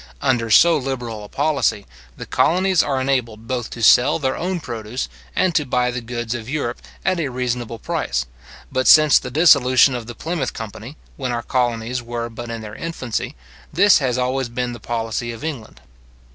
Under so liberal a policy, the colonies are enabled both to sell their own produce, and to buy the goods of Europe at a reasonable price; but since the dissolution of the Plymouth company, when our colonies were but in their infancy, this has always been the policy of England.